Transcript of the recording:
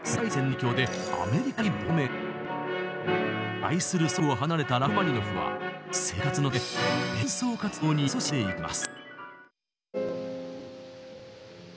愛する祖国を離れたラフマニノフは生活のため演奏活動にいそしんでいきます。